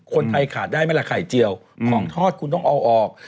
คนไทยขาดได้ไหมล่ะไข่เจียวของทอดคุณต้องเอาออก